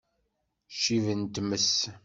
Ccib n tmes!